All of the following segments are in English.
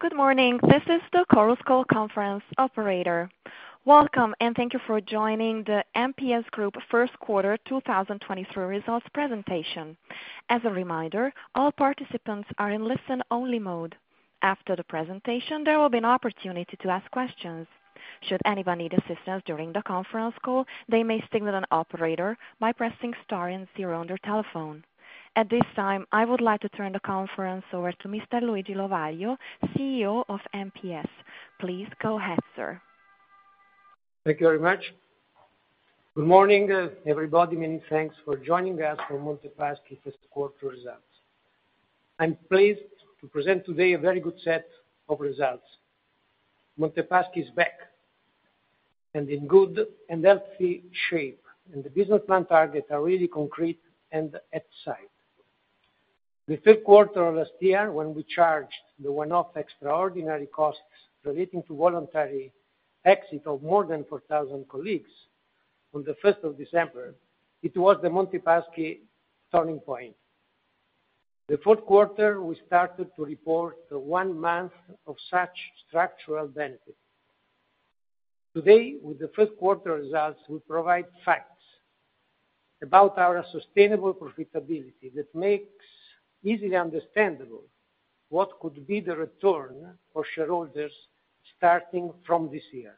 Good morning. This is the Chorus Call Conference operator. Welcome, and thank you for joining the MPS Group first quarter 2023 results presentation. As a reminder, all participants are in listen-only mode. After the presentation, there will be an opportunity to ask questions. Should anyone need assistance during the conference call, they may signal an operator by pressing star 0 on their telephone. At this time, I would like to turn the conference over to Mr. Luigi Lovaglio, CEO of MPS. Please go ahead, sir. Thank you very much. Good morning, everybody. Many thanks for joining us for Monte Paschi first quarter results. I'm pleased to present today a very good set of results. Monte Paschi is back, and in good and healthy shape, and the business plan targets are really concrete and at sight. The fifth quarter of last year, when we charged the one-off extraordinary costs relating to voluntary exit of more than 4,000 colleagues on the fifth of December, it was the Monte Paschi turning point. The fourth quarter, we started to report 1 month of such structural benefit. Today, with the first quarter results, we provide facts about our sustainable profitability that makes easily understandable what could be the return for shareholders starting from this year.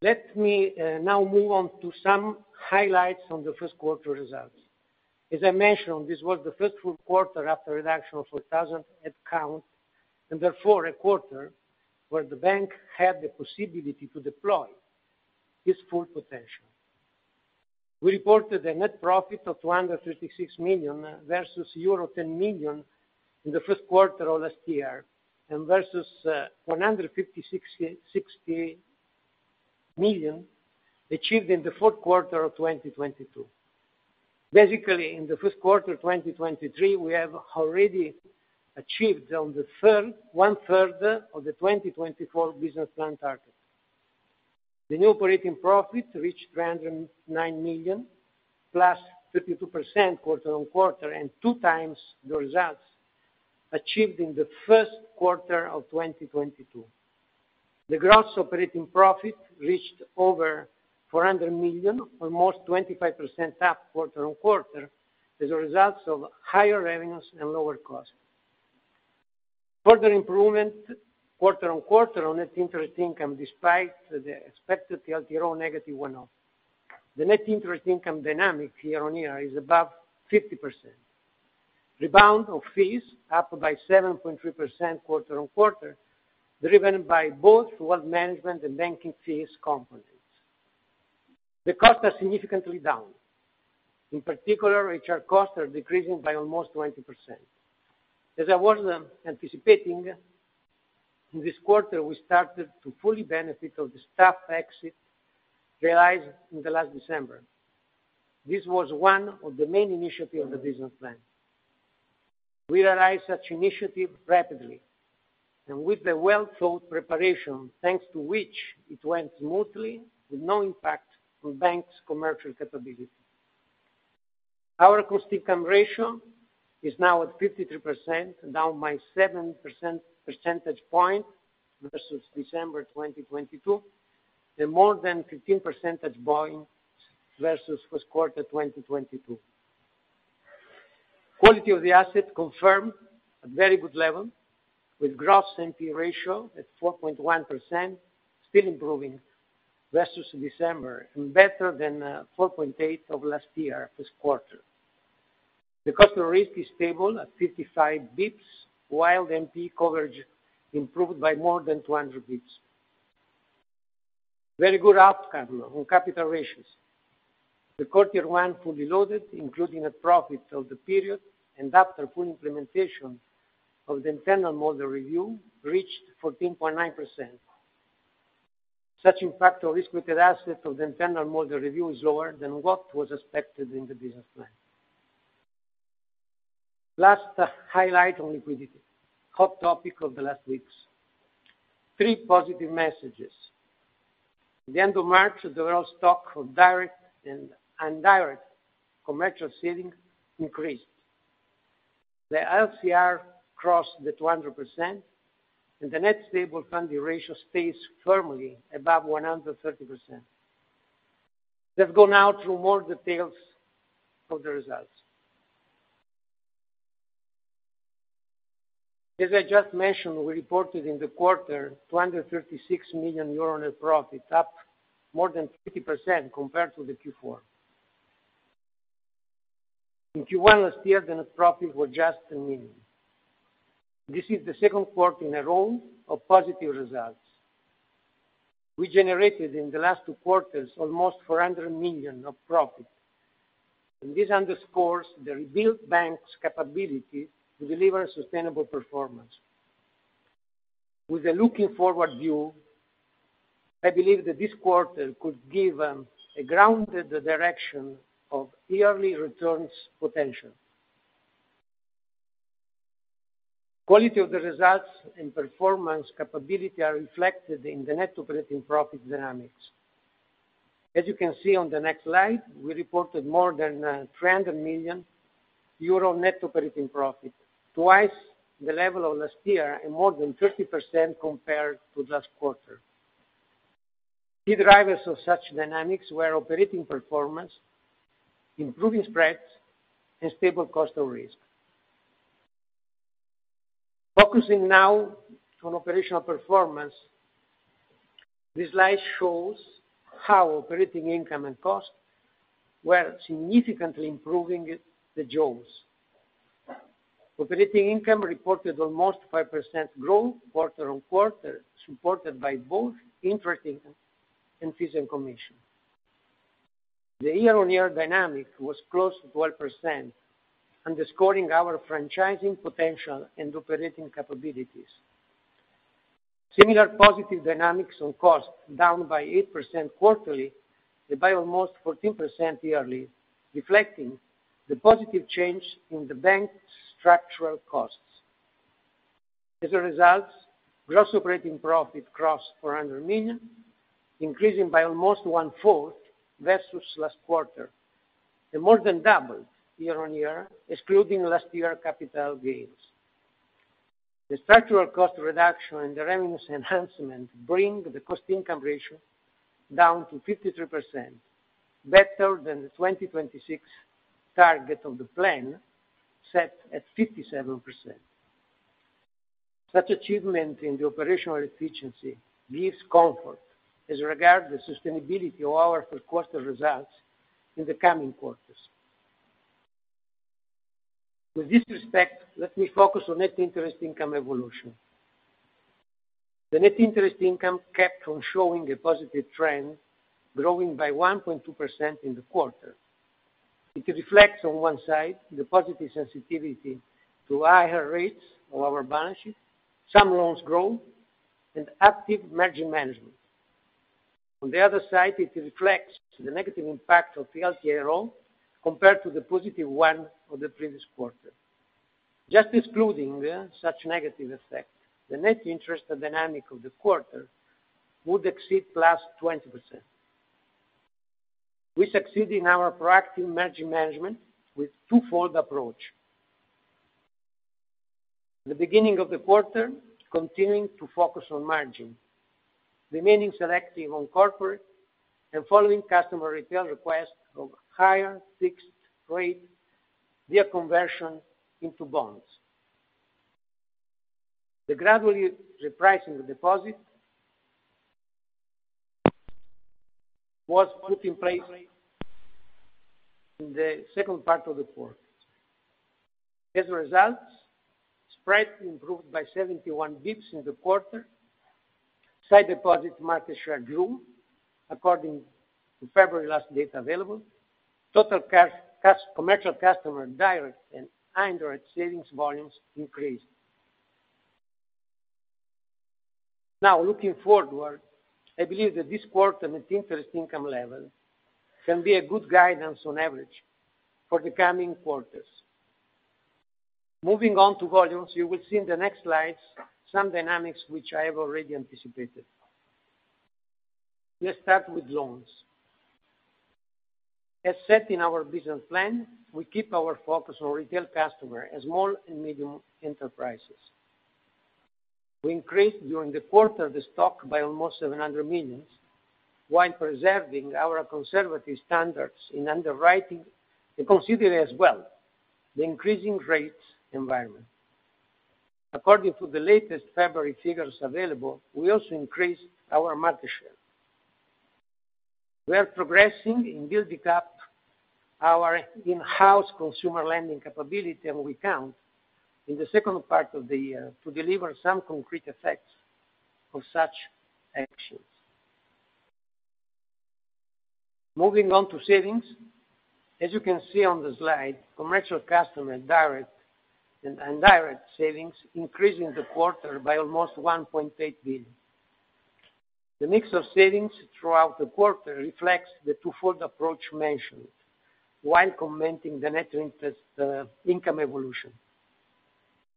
Let me now move on to some highlights on the first quarter results. As I mentioned, this was the first full quarter after reduction of 4,000 headcount, and therefore a quarter where the bank had the possibility to deploy its full potential. We reported a net profit of 236 million versus euro 10 million in the first quarter of last year and versus 156-60 million achieved in the fourth quarter of 2022. In the first quarter of 2023, we have already achieved one-third of the 2024 business plan target. The net operating profit reached EUR 309 million, plus 52% quarter-on-quarter, 2 times the results achieved in the first quarter of 2022. The gross operating profit reached over 400 million, almost 25% up quarter-on-quarter as a result of higher revenues and lower costs. Further improvement quarter-on-quarter on net interest income despite the expected TLTRO negative one-off. The net interest income dynamic year-on-year is above 50%. Rebound of fees up by 7.3% quarter-on-quarter, driven by both wealth management and banking fees components. The costs are significantly down. In particular, HR costs are decreasing by almost 20%. As I was anticipating, in this quarter, we started to fully benefit of the staff exit realized in the last December. This was one of the main initiatives of the business plan. We realized such initiative rapidly and with the well-thought preparation, thanks to which it went smoothly with no impact on bank's commercial capability. Our cost-income ratio is now at 53%, down by 7 percentage point versus December 2022, and more than 15 percentage points versus first quarter 2022. Quality of the asset confirmed at very good level with gross NPL ratio at 4.1%, still improving versus December and better than 4.8% of last year, Q1. The cost of risk is stable at 55 basis points, while the NPL coverage improved by more than 200 basis points. Very good up capital ratios. The Q1 fully loaded, including a profit of the period and after full implementation of the internal model review, reached 14.9%. Such impact on risk-weighted assets of the internal model review is lower than what was expected in the business plan. Last highlight on liquidity, hot topic of the last weeks. 3 positive messages. At the end of March, the raw stock for direct and indirect commercial savings increased. The LCR crossed the 200%, the net stable funding ratio stays firmly above 130%. Let's go now through more details of the results. As I just mentioned, we reported in the quarter 236 million euro net profit, up more than 50% compared to the Q4. In Q1 last year, the net profit was just 1 million. This is the second quarter in a row of positive results. We generated in the last two quarters almost 400 million of profit, this underscores the rebuilt bank's capability to deliver sustainable performance. With a looking forward view, I believe that this quarter could give a grounded direction of yearly returns potential. Quality of the results and performance capability are reflected in the net operating profit dynamics. As you can see on the next slide, we reported more than 300 million euro net operating profit, twice the level of last year and more than 30% compared to last quarter. Key drivers of such dynamics were operating performance, improving spreads, and stable cost of risk. Focusing now on operational performance, this slide shows how operating income and cost were significantly improving the goals. Operating income reported almost 5% growth quarter on quarter, supported by both interest income and fees and commission. The year-over-year dynamic was close to 1%, underscoring our franchising potential and operating capabilities. Similar positive dynamics on cost down by 8% quarterly and by almost 14% yearly, reflecting the positive change in the bank's structural costs. As a result, gross operating profit crossed 400 million, increasing by almost one-fourth versus last quarter, and more than doubled year-on-year, excluding last year capital gains. The structural cost reduction and the revenues enhancement bring the cost-income ratio down to 53%, better than the 2026 target of the plan set at 57%. Such achievement in the operational efficiency gives comfort as regard the sustainability of our first quarter results in the coming quarters. With this respect, let me focus on net interest income evolution. The net interest income kept on showing a positive trend, growing by 1.2% in the quarter. It reflects on one side the positive sensitivity to higher rates of our balance sheet, some loans growth, and active margin management. On the other side, it reflects the negative impact of TLTRO compared to the positive one of the previous quarter. Just excluding such negative effect, the net interest and dynamic of the quarter would exceed +20%. We succeed in our proactive margin management with twofold approach. The beginning of the quarter, continuing to focus on margin, remaining selective on corporate, and following customer retail request of higher fixed rate via conversion into bonds. The gradually repricing deposit was put in place in the second part of the quarter. Spread improved by 71 bps in the quarter. Side deposit market share grew according to February last data available. Total commercial customer direct and indirect savings volumes increased. Looking forward, I believe that this quarter net interest income level can be a good guidance on average for the coming quarters. Moving on to volumes, you will see in the next slides some dynamics which I have already anticipated. Let's start with loans. As set in our business plan, we keep our focus on retail customer as small and medium enterprises. We increased during the quarter the stock by almost 700 million, while preserving our conservative standards in underwriting, considering as well the increasing rates environment. According to the latest February figures available, we also increased our market share. We are progressing in building up our in-house consumer lending capability, we count in the second part of the year to deliver some concrete effects of such actions. Moving on to savings, as you can see on the slide, commercial customer direct and direct savings increased in the quarter by almost 1.8 billion. The mix of savings throughout the quarter reflects the twofold approach mentioned while commenting the net interest income evolution.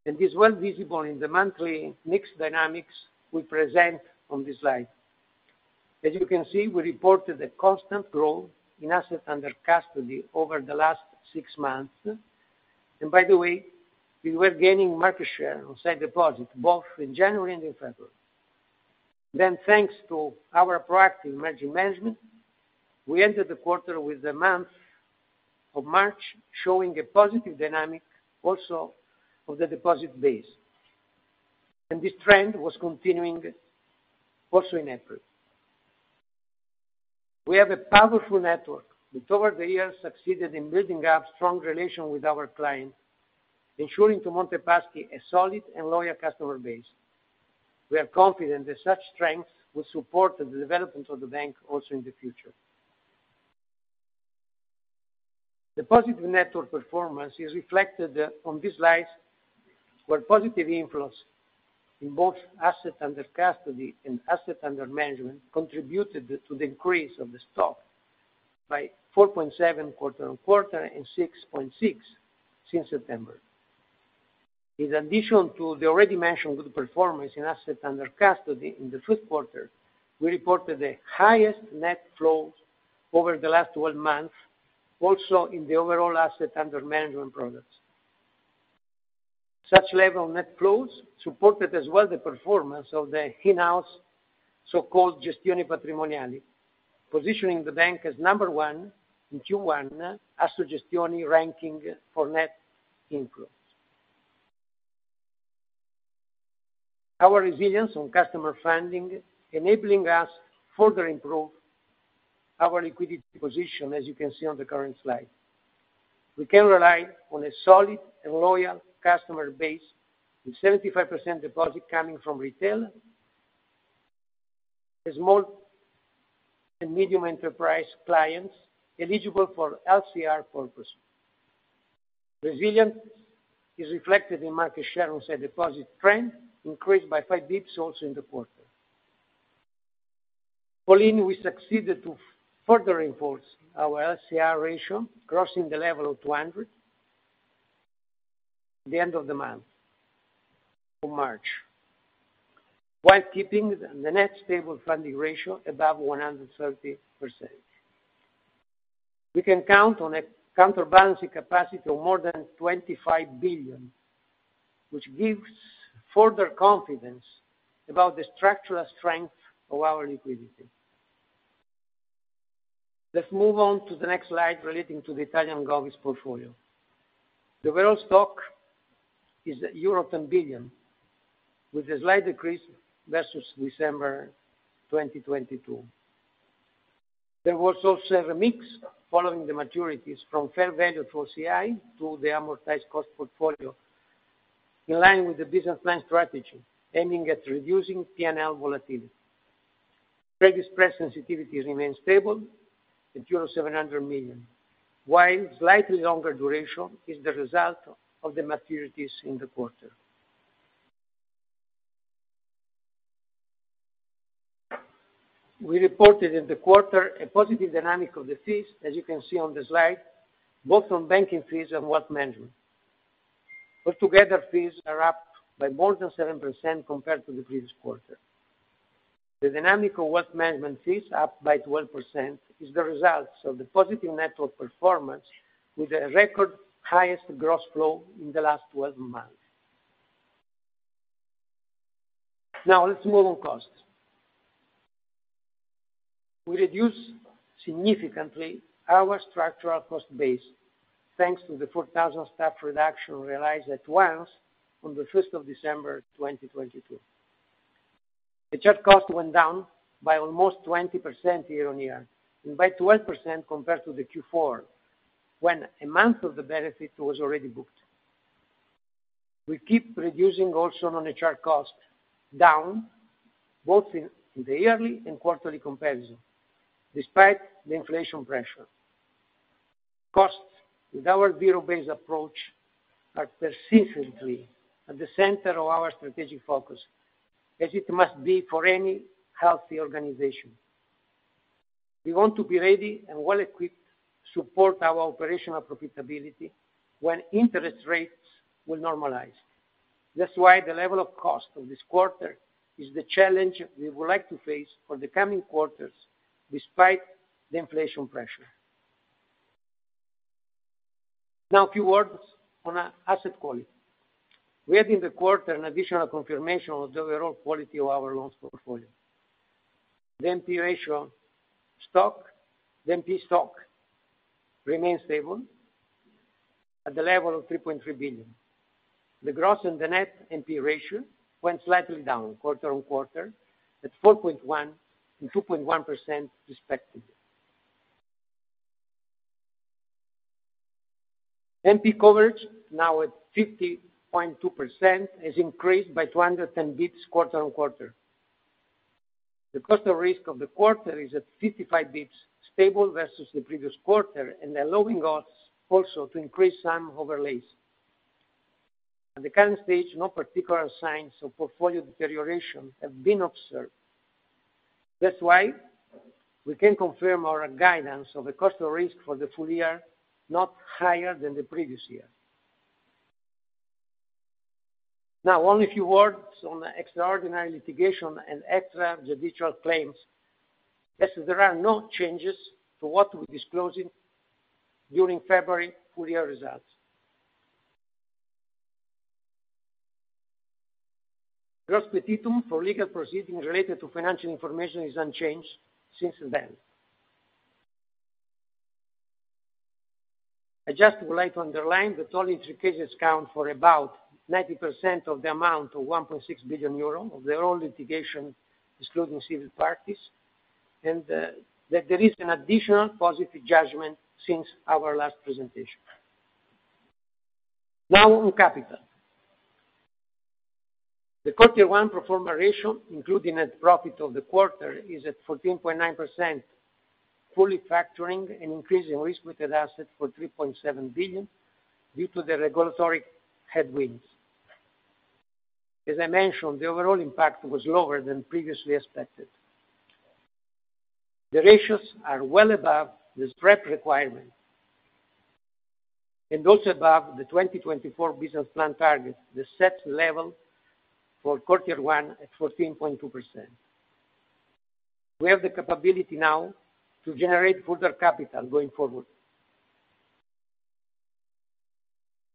It is well visible in the monthly mix dynamics we present on this slide. As you can see, we reported a constant growth in assets under custody over the last 6 months. By the way, we were gaining market share on site deposits, both in January and in February. Thanks to our proactive margin management, we entered the quarter with the month of March showing a positive dynamic also of the deposit base. This trend was continuing also in April. We have a powerful network, which over the years succeeded in building up strong relation with our clients, ensuring to Monte Paschi a solid and loyal customer base. We are confident that such strength will support the development of the bank also in the future. The positive network performance is reflected on these slides, where positive influence in both assets under custody and assets under management contributed to the increase of the stock. By 4.7 quarter and quarter, and 6.6 since September. In addition to the already mentioned good performance in assets under custody in the 1st quarter, we reported the highest net flows over the last 12 months, also in the overall asset under management products. Such level net flows supported as well the performance of the in-house so-called Gestioni Patrimoniali, positioning the bank as number 1 in Q1 as Assoreti ranking for net inflows. Our resilience on customer funding enabling us further improve our liquidity position, as you can see on the current slide. We can rely on a solid and loyal customer base, with 75% deposit coming from retail, as small and medium enterprise clients eligible for LCR purpose. Resilience is reflected in market share on said deposit trend, increased by 5 basis points also in the quarter. For lean, we succeeded to further enforce our LCR ratio, crossing the level of 200 the end of the month of March, while keeping the net stable funding ratio above 130%. We can count on a counterbalancing capacity of more than 25 billion, which gives further confidence about the structural strength of our liquidity. Let's move on to the next slide relating to the Italian Gov's portfolio. The world stock is at 10 billion euros, with a slight decrease versus December 2022. There was also a mix following the maturities from fair value for OCI to the amortized cost portfolio, in line with the business plan strategy, aiming at reducing PNL volatility. Credit spread sensitivity remains stable at euro 700 million, while slightly longer duration is the result of the maturities in the quarter. We reported in the quarter a positive dynamic of the fees, as you can see on the slide, both on banking fees and wealth management. Together, fees are up by more than 7% compared to the previous quarter. The dynamic of wealth management fees, up by 12%, is the result of the positive network performance with a record highest gross flow in the last 12 months. Let's move on costs. We reduce significantly our structural cost base, thanks to the 4,000 staff reduction realized at once on the first of December 2022. The HR cost went down by almost 20% year-on-year, and by 12% compared to the Q4, when a month of the benefit was already booked. We keep reducing also non-HR costs down, both in the yearly and quarterly comparison, despite the inflation pressure. Costs with our zero-based approach are persistently at the center of our strategic focus, as it must be for any healthy organization. We want to be ready and well equipped to support our operational profitability when interest rates will normalize. That's why the level of cost of this quarter is the challenge we would like to face for the coming quarters, despite the inflation pressure. A few words on asset quality. We had in the quarter an additional confirmation of the overall quality of our loans portfolio. The NPL ratio stock, the NPL stock remains stable at the level of 3.3 billion. The gross and the net NPL ratio went slightly down quarter on quarter at 4.1 and 2.1% respectively. NPL coverage, now at 50.2%, has increased by 210 basis points quarter on quarter. The cost of risk of the quarter is at 55 basis points, stable versus the previous quarter, and allowing us also to increase some overlays. At the current stage, no particular signs of portfolio deterioration have been observed. That's why we can confirm our guidance of the cost of risk for the full year, not higher than the previous year. Now only a few words on the extraordinary litigation and extra judicial claims, as there are no changes to what we're disclosing during February full year results. Gross petitum for legal proceedings related to financial information is unchanged since then. I just would like to underline that only three cases count for about 90% of the amount of 1.6 billion euro of their own litigation, excluding civil parties, and that there is an additional positive judgment since our last presentation. Now on capital. The quarter one pro forma ratio, including net profit of the quarter, is at 14.9%, fully factoring and increasing risk-weighted assets for 3.7 billion due to the regulatory headwinds. As I mentioned, the overall impact was lower than previously expected. The ratios are well above the prep requirement and also above the 2024 business plan target, the set level for quarter one at 14.2%. We have the capability now to generate further capital going forward.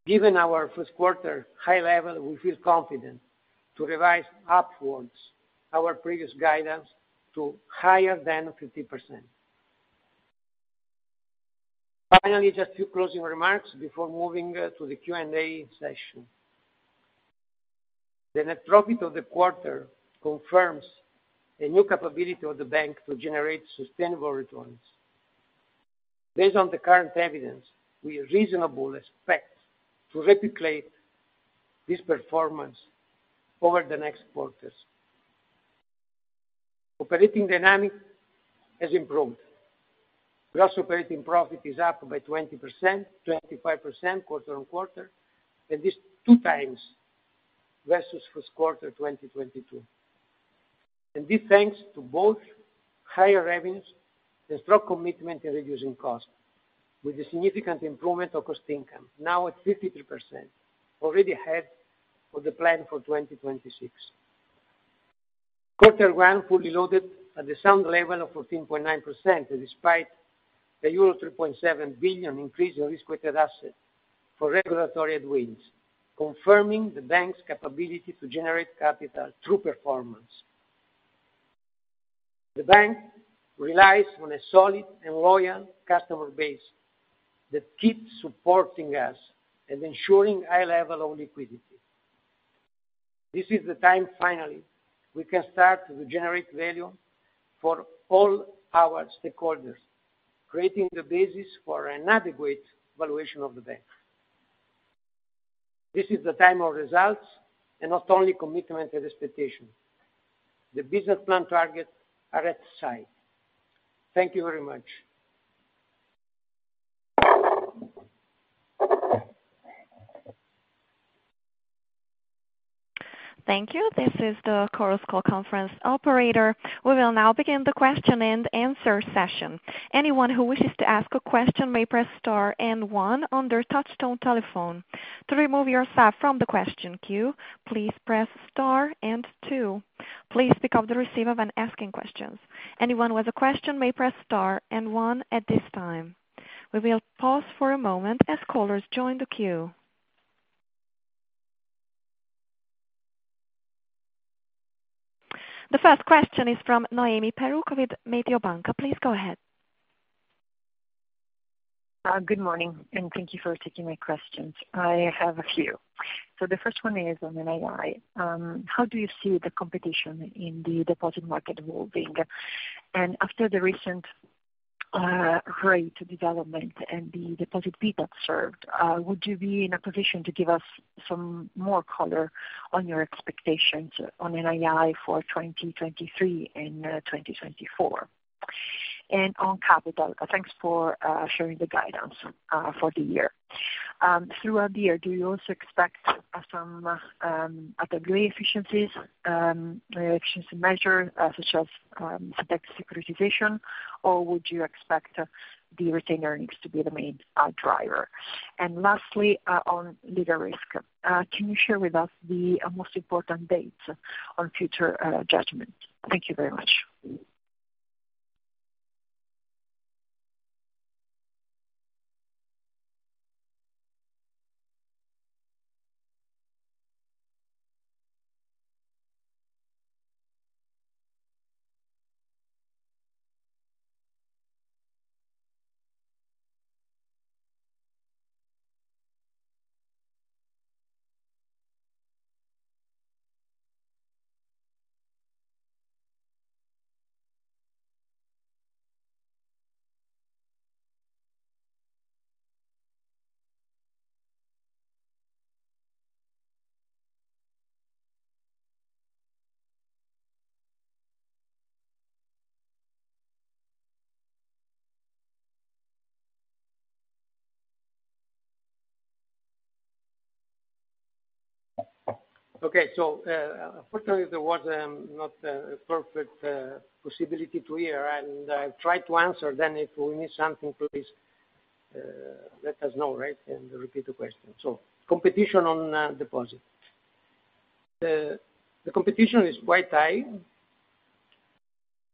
Given our first quarter high level, we feel confident to revise upwards our previous guidance to higher than 50%. Just a few closing remarks before moving to the Q&A session. The net profit of the quarter confirms a new capability of the bank to generate sustainable returns. Based on the current evidence, we reasonably expect to replicate this performance over the next quarters. Operating dynamic has improved. Gross operating profit is up by 20%, 25% quarter-on-quarter, this 2 times versus first quarter 2022. This thanks to both higher revenues and strong commitment in reducing costs, with a significant improvement of cost income now at 53%, already ahead of the plan for 2026. Quarter one fully loaded at the sound level of 14.9%, despite the euro 3.7 billion increase in risk-weighted asset for regulatory headwinds, confirming the bank's capability to generate capital through performance. The bank relies on a solid and loyal customer base that keeps supporting us and ensuring high level of liquidity. This is the time, finally, we can start to generate value for all our stakeholders, creating the basis for an adequate valuation of the bank. This is the time of results and not only commitment and expectation. The business plan targets are at sight. Thank you very much. Thank you. This is the Chorus Call conference operator. We will now begin the question-and-answer session. Anyone who wishes to ask a question may press star and one on their touchtone telephone. To remove yourself from the question queue, please press star and two. Please pick up the receiver when asking questions. Anyone with a question may press star and one at this time. We will pause for a moment as callers join the queue. The first question is from Noemi Peruch with Mediobanca. Please go ahead. Good morning. Thank you for taking my questions. I have a few. The first one is on NII. How do you see the competition in the deposit market evolving? After the recent rate development and the deposit people served, would you be in a position to give us some more color on your expectations on NII for 2023 and 2024? On capital, thanks for sharing the guidance for the year. Throughout the year, do you also expect some other great efficiencies, efficiency measure, such as synthetic securitization, or would you expect the retainer needs to be the main driver? Lastly, on legal risk, can you share with us the most important dates on future judgment? Thank you very much. Okay. Unfortunately, there was not a perfect possibility to hear, and I'll try to answer. If we miss something, please let us know, right, and repeat the question. Competition on deposit. The competition is quite high,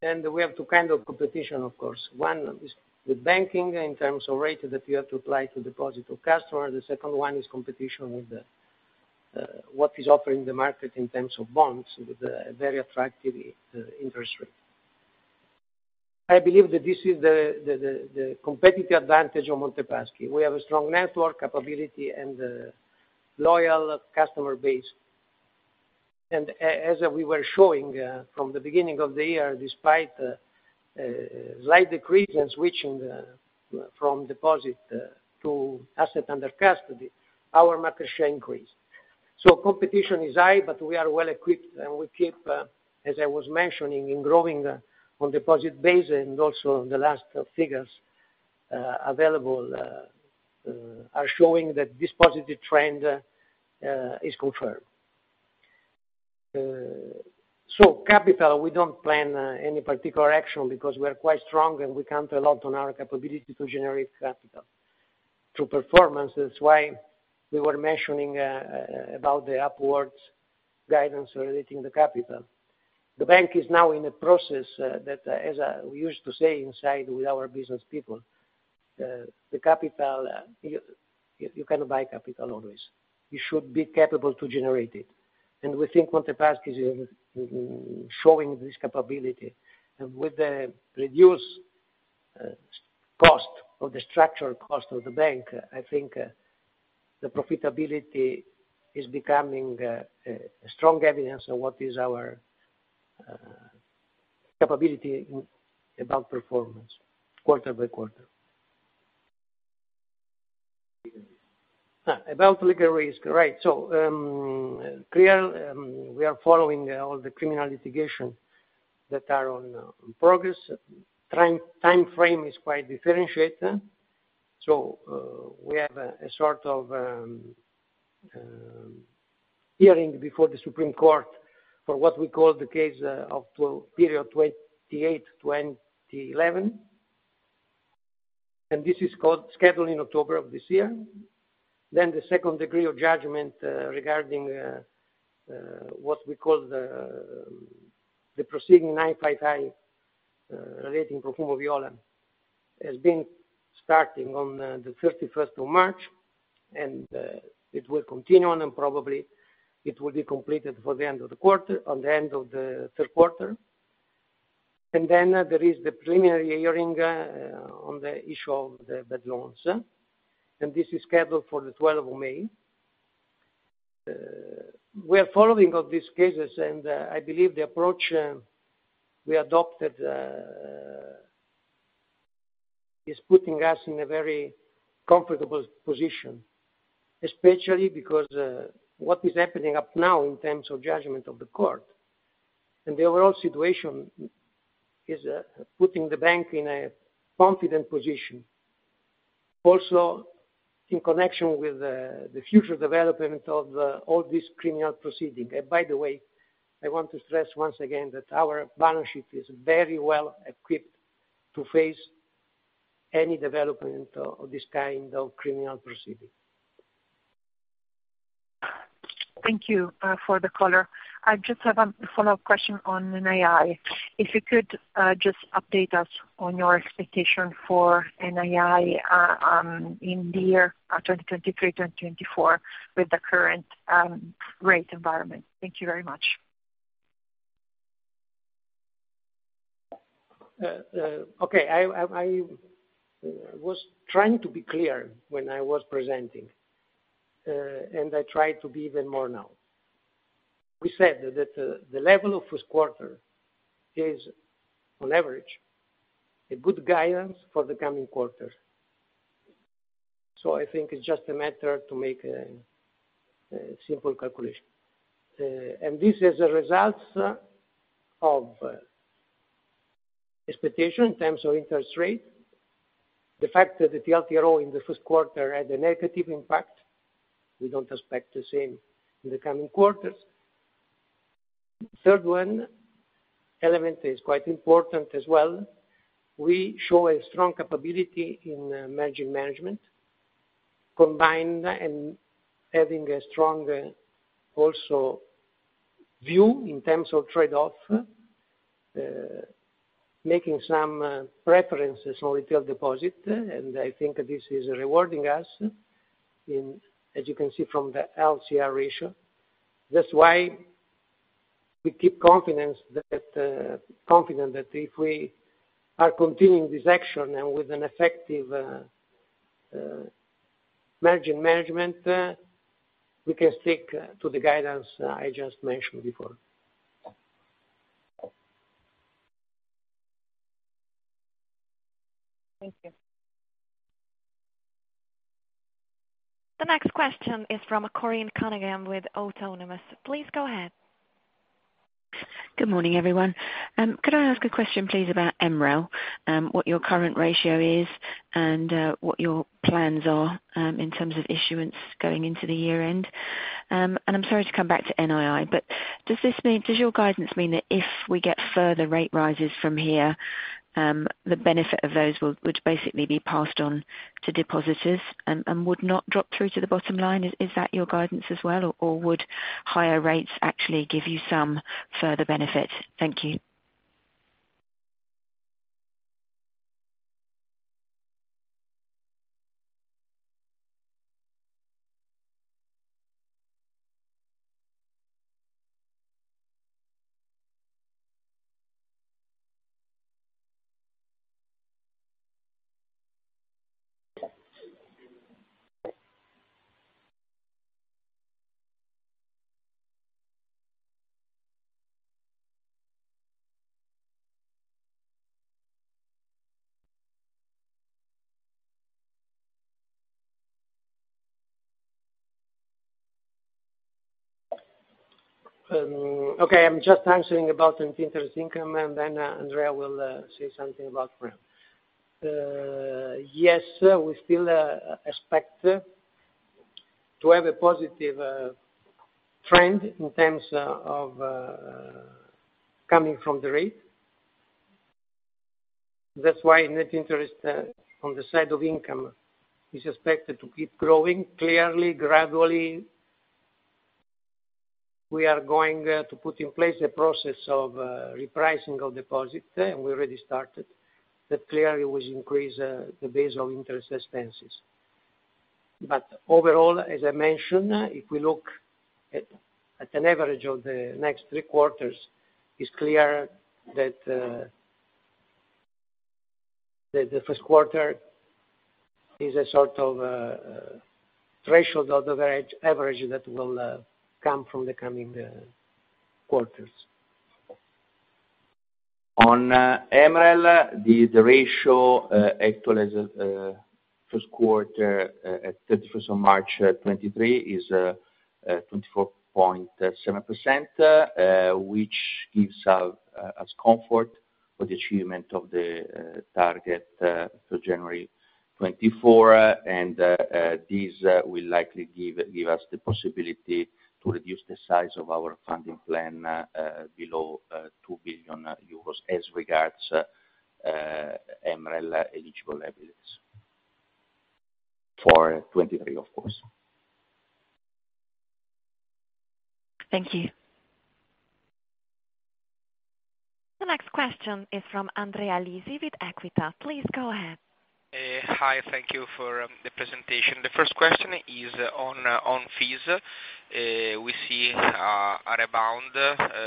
and we have two kind of competition, of course. One is with banking in terms of rates that you have to apply to deposit to customer. The second one is competition with what is offered in the market in terms of bonds with a very attractive interest rate. I believe that this is the competitive advantage of Monte Paschi. We have a strong network capability and a loyal customer base. As we were showing from the beginning of the year, despite slight decrease in switching from deposit to asset under custody, our market share increased. Competition is high, but we are well equipped, and we keep, as I was mentioning, in growing on deposit base and also the last figures available are showing that this positive trend is confirmed. Capital, we don't plan any particular action because we are quite strong, and we count a lot on our capability to generate capital. Through performance, that's why we were mentioning about the upwards guidance relating the capital. The bank is now in a process that, as we used to say inside with our business people, the capital, you cannot buy capital always. You should be capable to generate it. We think Monte Paschi is showing this capability. With the reduced cost or the structural cost of the bank, I think the profitability is becoming a strong evidence of what is our capability about performance quarter by quarter. Legal risk. About legal risk, right. Clear, we are following all the criminal litigation that are on progress. Time frame is quite differentiated. We have a sort of hearing before the Supreme Court for what we call the case of period 28/2011, and this is scheduled in October of this year. The second degree of judgment regarding what we call the proceeding 9/55, relating Profumo Viola, has been starting on the 31st of March, and it will continue on, and probably it will be completed for the end of the quarter, on the end of the 3rd quarter. There is the preliminary hearing on the issue of the bad loans, and this is scheduled for the 12th of May. We are following of these cases, I believe the approach we adopted is putting us in a very comfortable position, especially because what is happening up now in terms of judgment of the court. The overall situation is putting the bank in a confident position. Also in connection with the future development of all these criminal proceeding. By the way, I want to stress once again that our balance sheet is very well equipped to face any development of this kind of criminal proceeding. Thank you for the color. I just have a follow-up question on NII. If you could just update us on your expectation for NII in the year 2023, 2024 with the current rate environment. Thank you very much. Okay. I was trying to be clear when I was presenting, and I try to be even more now. We said that, the level of first quarter is on average a good guidance for the coming quarters. I think it's just a matter to make a simple calculation. This is a result of expectation in terms of interest rate. The fact that the TLTRO in the first quarter had a negative impact, we don't expect the same in the coming quarters. Third one element is quite important as well. We show a strong capability in margin management, combined and having a strong, also view in terms of trade-off, making some preferences on retail deposit. I think this is rewarding us in, as you can see from the LCR ratio. That's why we keep confidence that, confident that if we are continuing this action and with an effective margin management, we can stick to the guidance I just mentioned before. Thank you. The next question is from Corinne Cunningham with Autonomous. Please go ahead. Good morning, everyone. Could I ask a question, please, about MREL, what your current ratio is and what your plans are in terms of issuance going into the year-end? I'm sorry to come back to NII, does this mean, does your guidance mean that if we get further rate rises from here, the benefit of those would basically be passed on to depositors and would not drop through to the bottom line? Is that your guidance as well? Would higher rates actually give you some further benefit? Thank you. Okay, I'm just answering about Net Interest Income. Andrea will say something about PRIMA. Yes, we still expect to have a positive trend in terms of coming from the rate. That's why Net Interest on the side of income is expected to keep growing. Clearly, gradually, we are going to put in place a process of repricing of deposit. We already started. That clearly will increase the base of interest expenses. Overall, as I mentioned, if we look at an average of the next three quarters, it's clear that the first quarter is a sort of threshold of the average that will come from the coming quarters. On MREL, the ratio actual as of first quarter, at 31st of March 2023, is 24.7%, which gives us comfort for the achievement of the target to January 2024. This will likely give us the possibility to reduce the size of our funding plan, below 2 billion euros as regards MREL eligible liabilities for 2023, of course. Thank you. The next question is from Andrea Lisi with Equita. Please go ahead. Hi. Thank you for the presentation. The first question is on fees. We see a rebound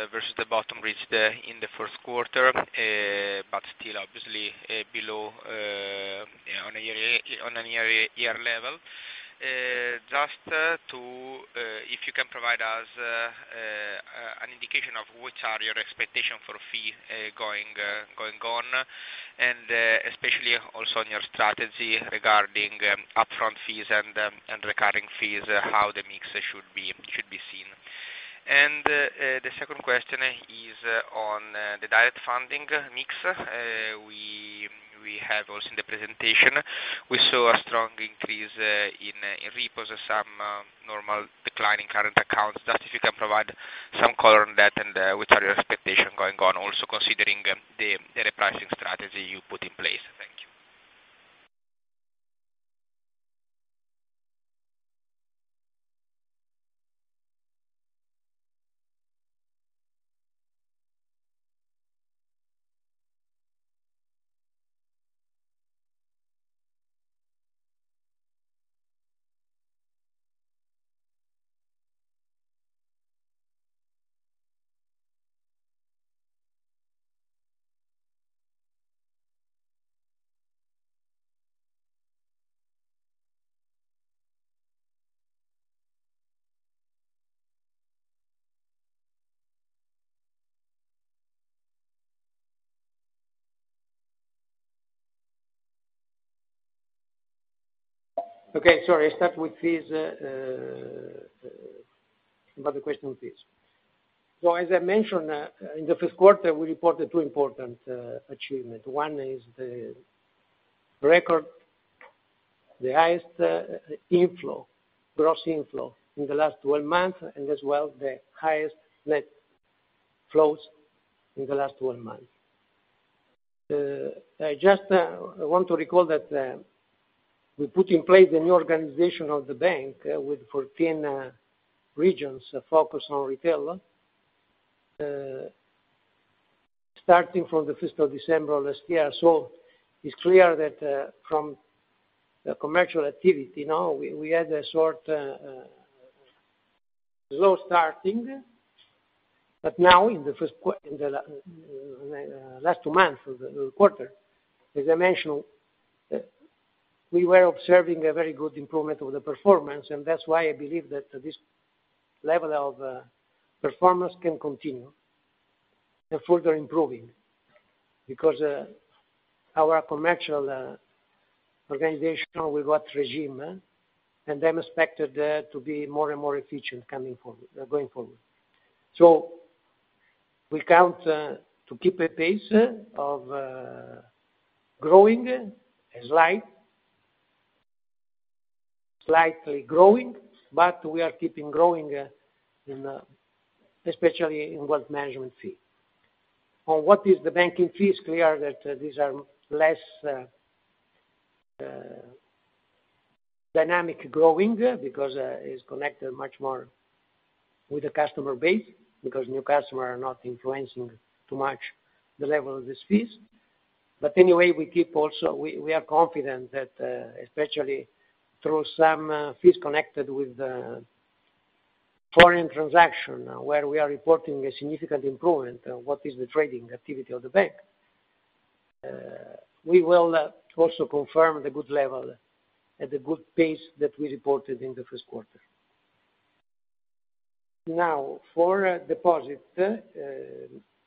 versus the bottom reached in the first quarter, but still obviously below on a year-over-year level. Just to if you can provide us an indication of which are your expectation for fee going on, and especially also on your strategy regarding upfront fees and recurring fees, how the mix should be seen. The second question is on the direct funding mix. We have also in the presentation, we saw a strong increase in repos, some normal decline in current accounts. Just if you can provide some color on that and, which are your expectation going on, also considering, the repricing strategy you put in place. Thank you. Okay. Sorry. I start with fees about the question on fees. As I mentioned, in the first quarter, we reported two important achievement. One is the record, the highest inflow, gross inflow in the last 12 months and as well the highest net flows in the last 12 months. I just want to recall that we put in place a new organization of the bank with 14 regions focused on retail, starting from the 5th of December last year. It's clear that from the commercial activity now, we had a short slow starting, but now in the last two months of the quarter, as I mentioned, we were observing a very good improvement of the performance. That's why I believe that this level of performance can continue and further improving because our commercial organization with what regime, and I'm expected to be more and more efficient coming forward going forward. We count to keep a pace of growing slightly growing, but we are keeping growing in especially in wealth management fee. On what is the banking fees, clear that these are less dynamic growing because it's connected much more with the customer base because new customer are not influencing too much the level of these fees. Anyway, we keep also, we are confident that, especially through some fees connected with foreign transaction, where we are reporting a significant improvement on what is the trading activity of the bank, we will also confirm the good level at the good pace that we reported in the first quarter. For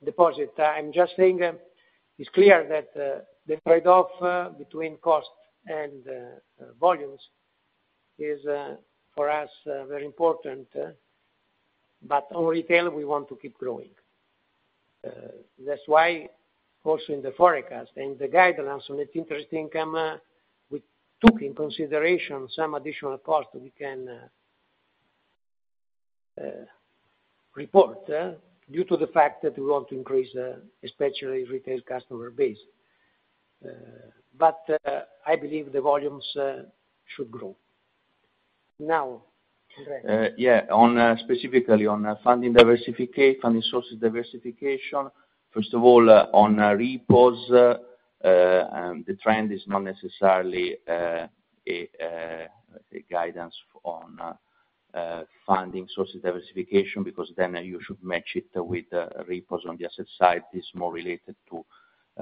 deposit, I'm just saying it's clear that the trade-off between cost and volumes is for us very important. On retail, we want to keep growing. That's why also in the forecast and the guidance on net interest income, we took in consideration some additional costs we can report due to the fact that we want to increase especially retail customer base. But I believe the volumes should grow. Andrea. Yeah. On specifically on funding sources diversification, first of all, on repos, the trend is not necessarily a guidance on funding sources diversification, because then you should match it with repos on the asset side, is more related to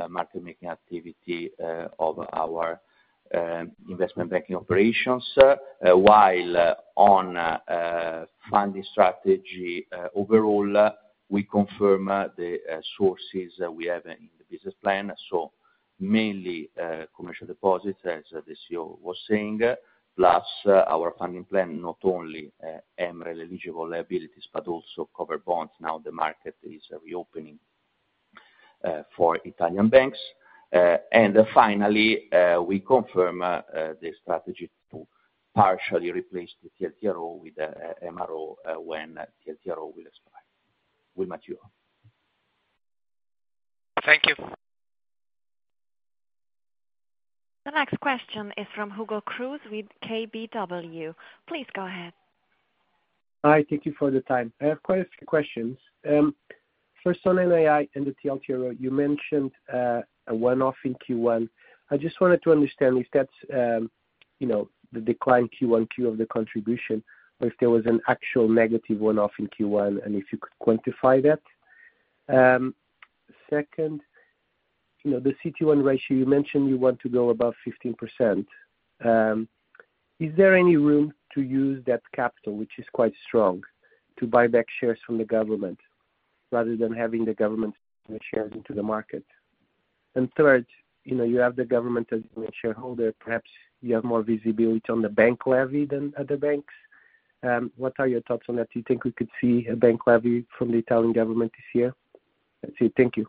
market making activity of our investment banking operations. While on funding strategy overall, we confirm the sources we have in the business plan, so mainly commercial deposits, as the CEO was saying, plus our funding plan, not only MREL-eligible liabilities, but also covered bonds. Now the market is reopening for Italian banks. Finally, we confirm the strategy to partially replace the TLTRO with MRO when TLTRO will expire, will mature. Thank you. The next question is from Hugo Cruz with KBW. Please go ahead. Hi. Thank you for the time. I have quite a few questions. First on NII and the TLTRO, you mentioned a one-off in Q1. I just wanted to understand if that's, you know, the decline Q1 of the contribution, or if there was an actual negative one-off in Q1, and if you could quantify that. Second, you know, the CT1 ratio, you mentioned you want to go above 15%. Is there any room to use that capital, which is quite strong, to buy back shares from the government rather than having the government put shares into the market? Third, you know, you have the government as a main shareholder. Perhaps you have more visibility on the bank levy than other banks. What are your thoughts on that? Do you think we could see a bank levy from the Italian government this year? That's it. Thank you.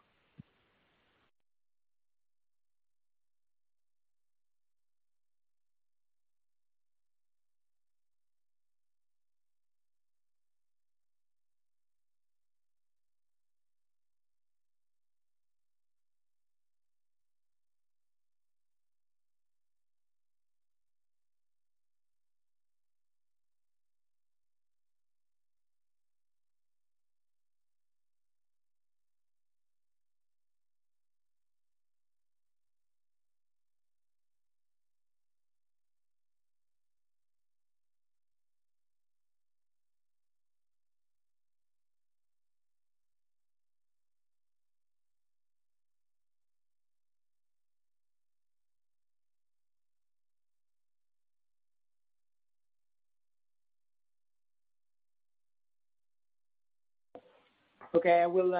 Okay, I will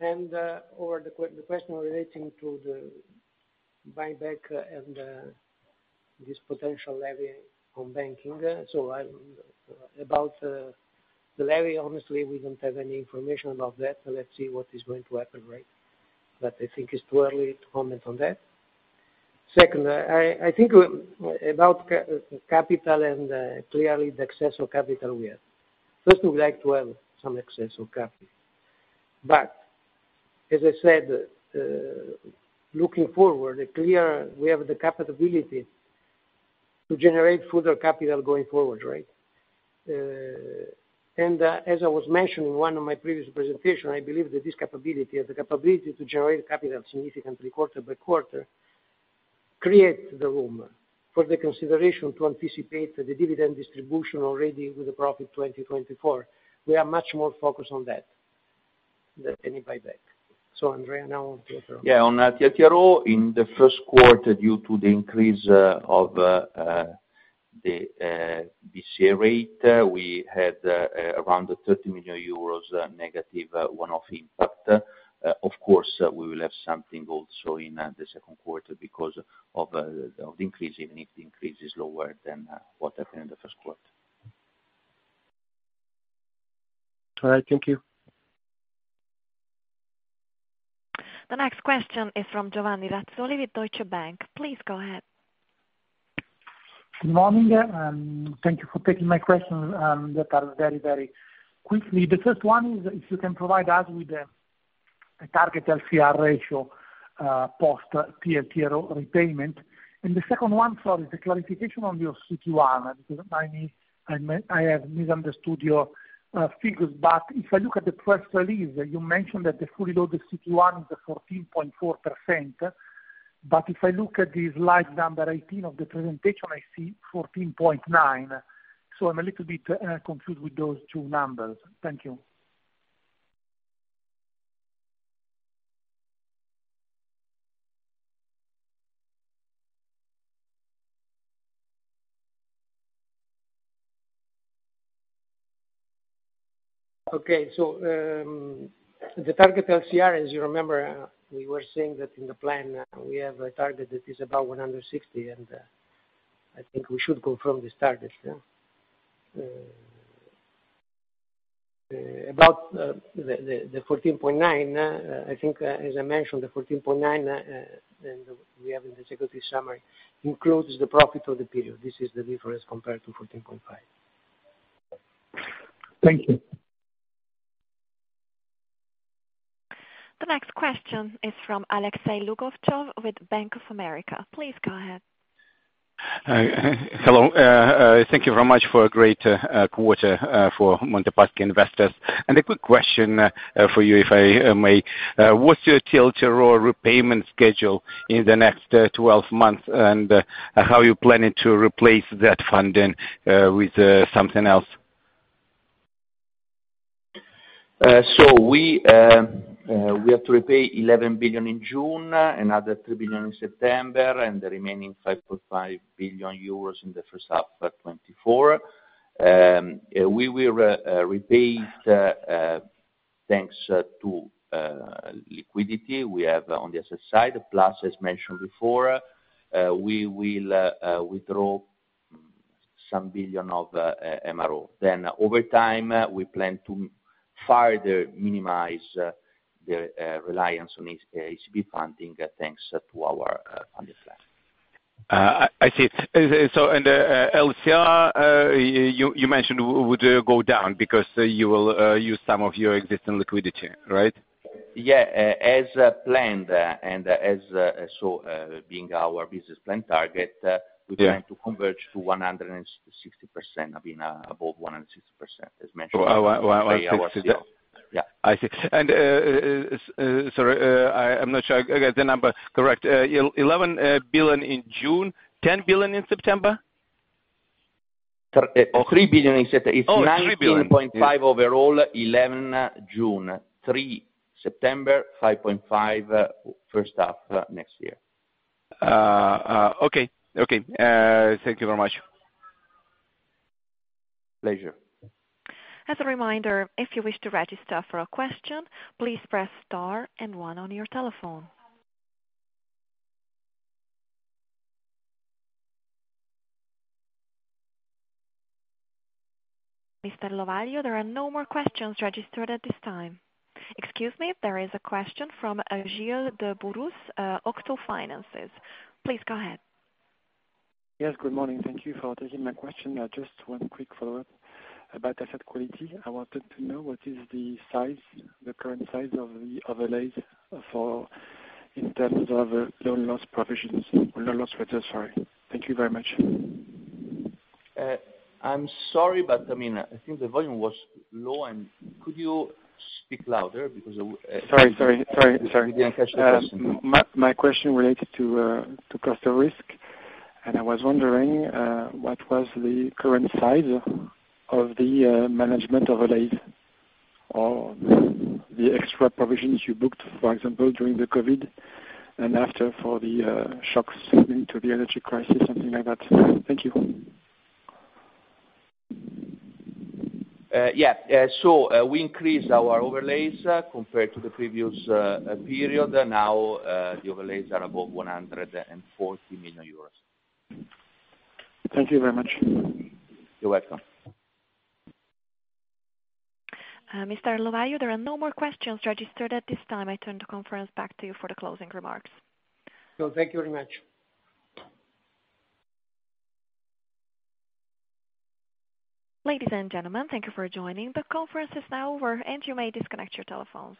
hand over the question relating to the buyback and this potential levy on banking. About the levy, honestly, we don't have any information about that, let's see what is going to happen, right? I think it's too early to comment on that. Second, I think about capital and clearly the excess of capital we have. First, we would like to have some excess of capital. As I said, looking forward, clear we have the capability to generate further capital going forward, right? As I was mentioning in one of my previous presentation, I believe that this capability, as the capability to generate capital significantly quarter by quarter, creates the room for the consideration to anticipate the dividend distribution already with the profit 2024. We are much more focused on that than any buyback. Andrea, now TLTRO. Yeah. On TLTRO, in the first quarter, due to the increase of the CA rate, we had around 30 million euros negative one-off impact. Of course, we will have something also in the second quarter because of the increase, even if the increase is lower than what happened in the first quarter. All right. Thank you. The next question is from Giovanni Razzoli with Deutsche Bank. Please go ahead. Good morning, thank you for taking my question, that are very quickly. The first one is if you can provide us with the target LCR ratio post TLTRO repayment. The second one, sorry, the clarification on your CT1. I mean, I have misunderstood your figures. If I look at the press release, you mentioned that the fully loaded CT1 is 14.4%. If I look at the slide number 18 of the presentation, I see 14.9. I'm a little bit confused with those two numbers. Thank you. Okay. The target LCR, as you remember, we were saying that in the plan, we have a target that is about 160, and I think we should go from this target. About the 14.9, I think, as I mentioned, the 14.9, and we have in the executive summary, includes the profit of the period. This is the difference compared to 14.5. Thank you. The next question is from Alexei Lougovtsov with Bank of America. Please go ahead. Hi. Hello. Thank you very much for a great quarter for Monte Paschi investors. A quick question for you, if I may. What's your TLTRO repayment schedule in the next 12 months, and how are you planning to replace that funding with something else? We have to repay 11 billion in June, another 3 billion in September, and the remaining 5.5 billion euros in the first half of 2024. We will repay thanks to liquidity we have on the asset side, plus, as mentioned before, we will withdraw some billion of MRO. Over time, we plan to further minimize the reliance on ECB funding, thanks to our on this. I see. LCR, you mentioned would go down because you will use some of your existing liquidity, right? Yeah. As planned, and as, so, being our business plan target- Yeah. we're trying to converge to 160%. I mean, above 160% as mentioned- Oh, 1, 160. Yeah. I see. Sorry, I'm not sure I got the number correct. 11 billion in June, 10 billion in September? 3 billion in September. Oh, 3 billion. It's 19.5 overall, 11 June, 3 September, 5.5 first half next year. Okay. Okay. Thank you very much. Pleasure. As a reminder, if you wish to register for a question, please press star and one on your telephone. Mr. Lovaglio, there are no more questions registered at this time. Excuse me. There is a question from Gilles de Bourrousse, Octo Finances. Please go ahead. Yes, good morning. Thank you for taking my question. Just one quick follow-up about asset quality. I wanted to know what is the size, the current size of the overlays for, in terms of loan loss provisions. Loan loss reserves, sorry. Thank you very much. I'm sorry, but I mean, I think the volume was low. Could you speak louder because. Sorry, sorry. I didn't catch the question. My question related to cost of risk, I was wondering what was the current size of the management overlays or the extra provisions you booked, for example, during the Covid and after for the shocks into the energy crisis, something like that. Thank you. Yeah. We increased our overlays compared to the previous period. Now, the overlays are above 140 million euros. Thank you very much. You're welcome. Mr. Lovaglio, there are no more questions registered at this time. I turn the conference back to you for the closing remarks. Thank you very much. Ladies and gentlemen, thank you for joining. The conference is now over, and you may disconnect your telephones.